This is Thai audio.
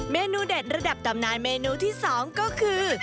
เมนูเด็ดระดับตำนานเมนูที่๒ก็คือ